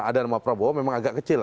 ada nama prabowo memang agak kecil